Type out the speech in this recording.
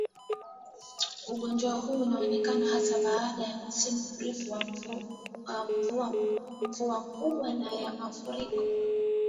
Ugonjwa huu hutokea hasa baada ya msimu mrefu wa mvua kubwa na ya mafuriko